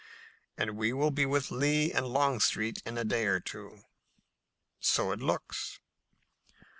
"And we will be with Lee and Longstreet in a day or two." "So it looks."